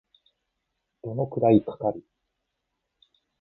どのくらいかかる